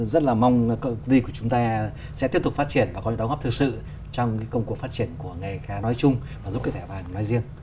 rất là mong công ty của chúng ta sẽ tiếp tục phát triển và có được đóng góp thực sự trong cái công cuộc phát triển của nghề khá nói chung và giúp cơ thể hòa hợp nói riêng